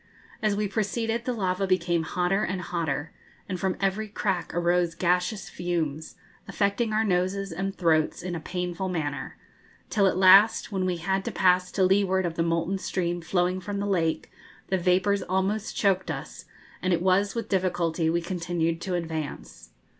As we proceeded the lava became hotter and hotter, and from every crack arose gaseous fumes, affecting our noses and throats in a painful manner; till at last, when we had to pass to leeward of the molten stream flowing from the lake, the vapours almost choked us, and it was with difficulty we continued to advance.